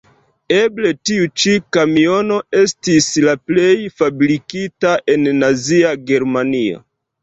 Eble, tiu ĉi kamiono estis la plej fabrikita en Nazia Germanio.